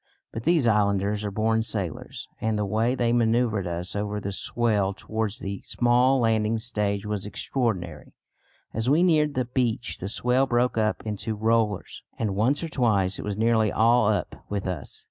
But these islanders are born sailors, and the way they manœuvred us over the swell towards the small landing stage was extraordinary. As we neared the beach the swell broke up into rollers, and once or twice it was nearly all up with us.